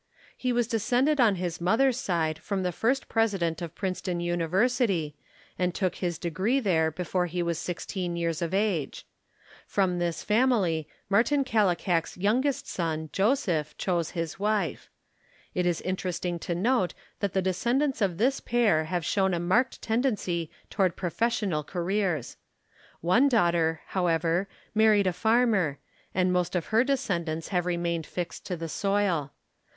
He was descended on his mother's side from the first president of Princeton University and took his degree there before he was sixteen years of age. From this family, Martin Kallikak's youngest son, Joseph, chose his wife. It is interesting to note that the descendants of this pair have shown a marked tendency toward professional careers. One daughter, however, married a farmer, and most of her descendants have remained fixed to the soil.